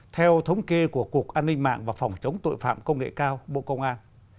theo thống kê của cục an ninh mạng và phòng chống tội phạm công nghệ cao bộ công an